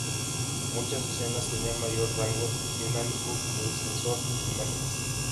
Muchas escenas tenían mayor rango dinámico que el sensor de imágenes.